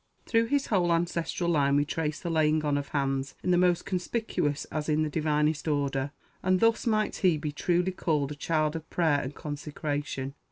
Through his whole ancestral line we trace the "laying on of hands" in the most conspicuous as in the divinest order; and thus might he be truly called a child of prayer and consecration.